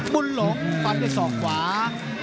บุลหลงฟันด้วยสองขวา